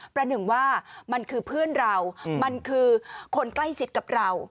ประหนึ่งว่ามันคือเพื่อนเรามันคือคนใกล้ชิดกับเรา